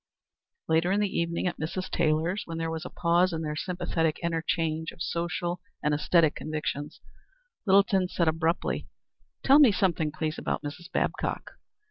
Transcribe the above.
Later in the evening at Mrs. Taylor's, when there was a pause in their sympathetic interchange of social and æsthetic convictions, Littleton said abruptly: "Tell me something, please, about Mrs. Babcock.